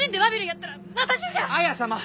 綾様！